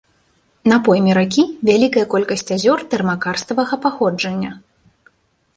На пойме ракі вялікая колькасць азёр тэрмакарставага паходжання.